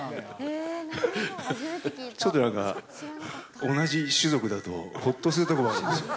ちょっとなんか、同じ種族だとほっとするところがあるんですよ。